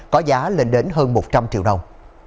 có giá lên đến hơn một trăm linh triệu đồng